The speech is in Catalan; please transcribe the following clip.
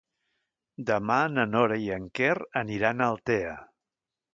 Demà na Nora i en Quer aniran a Altea.